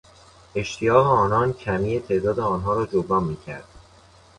اشتیاق آنان کمی تعداد آنها را جبران میکرد.